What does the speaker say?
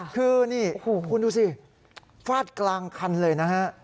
คือนี่คุณดูสิฟาดกลางคันเลยนะฮะ